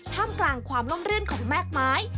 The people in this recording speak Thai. ท่ามกลางความล่มรื่นของแม่กไม้